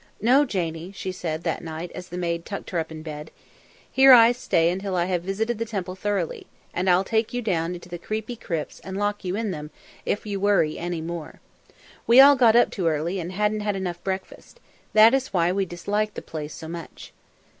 "No, Janie," she said that night, as the maid tucked her up in bed. "Here I stay until I have visited the Temple thoroughly, and I'll take you down into the creepy crypts and lock you in them if you worry any more. We all got up too early and hadn't had enough breakfast that is why we disliked the place so much."